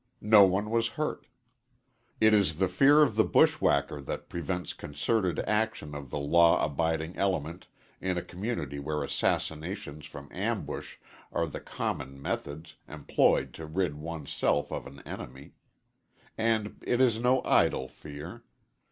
No one was hurt. It is the fear of the bushwhacker that prevents concerted action of the law abiding element in a community where assassinations from ambush are the common methods employed to rid one's self of an enemy. And it is no idle fear.